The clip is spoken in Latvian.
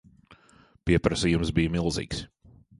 Pieprasījums bija milzīgs.